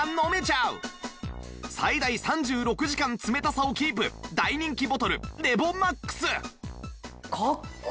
最大３６時間冷たさをキープ大人気ボトルレボマックス